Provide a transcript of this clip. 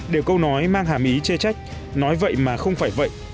đều câu nói mang hàm ý chê trách nói vậy mà không phải vậy